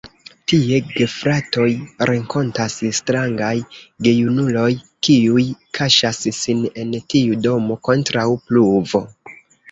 Tie gefratoj renkontas strangaj gejunuloj, kiuj kaŝas sin en tiu domo kontraŭ pluvo.